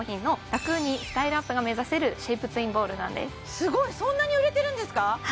すごいそんなに売れてるんですか！